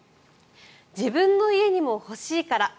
自分の家にも欲しいから。